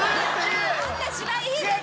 そんな芝居いいですから。